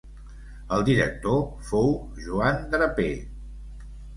El director fou Joan Draper.